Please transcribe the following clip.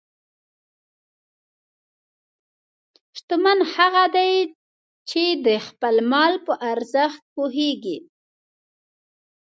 شتمن هغه دی چې د خپل مال په ارزښت پوهېږي.